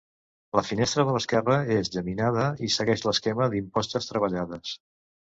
La finestra de l'esquerra és geminada i segueix l'esquema d'impostes treballades.